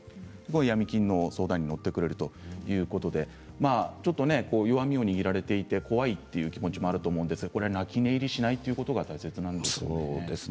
ヤミ金の相談に乗ってくれるということなので弱みを握られていて怖いという気持ちがあると思うんですが泣き寝入りしないということが大事ですね。